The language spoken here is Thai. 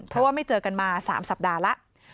เพราะว่าไม่เจอกันมา๓สัปดาห์แล้ว